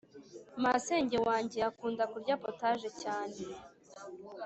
Masenge wanjye akunda kurya potage cyane